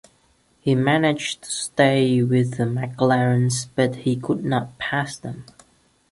He managed to stay with the McLarens but he could not pass them.